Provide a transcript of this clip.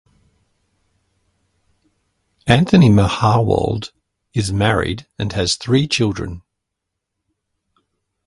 Anthony Mahowald is married and has three children.